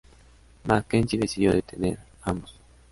Mackenzie decidió detener a ambos.